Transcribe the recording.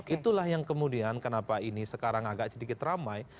itulah yang kemudian kenapa ini sekarang agak sedikit ramai